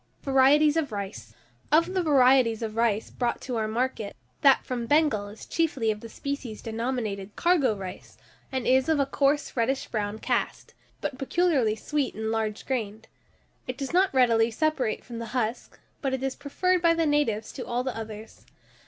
VARIETIES OF RICE. Of the varieties of rice brought to our market, that from Bengal is chiefly of the species denominated cargo rice, and is of a coarse reddish brown cast, but peculiarly sweet and large grained; it does not readily separate from the husk, but it is preferred by the natives to all the others.